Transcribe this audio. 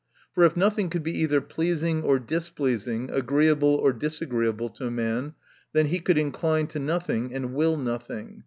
For if nothing could be either pleasing or displeasing, agreeable or disagreeable to a man, then he could incline to nothing, and will nothing.